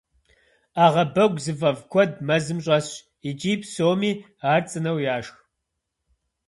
Ӏэгъэбэгу зыфӏэфӏ куэд мэзым щӏэсщ, икӏи псоми ар цӏынэу яшх.